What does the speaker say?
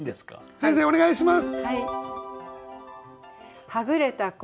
先生お願いします。